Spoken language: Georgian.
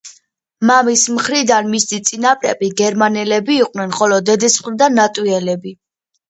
მამის მხრიდან მისი წინაპრები გერმანელები იყვნენ, ხოლო დედის მხრიდან ლატვიელები.